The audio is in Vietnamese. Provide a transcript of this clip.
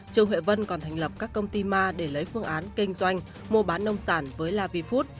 trương huệ vân còn thành lập các công ty ma để lấy phương án kinh doanh mua bán nông sản với lavi food